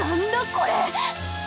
これ！